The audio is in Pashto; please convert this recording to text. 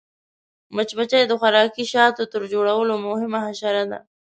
مچمچۍ د خوراکي شاتو تر ټولو مهمه حشره ده